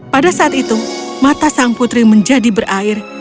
pada saat itu mata sang putri menjadi berair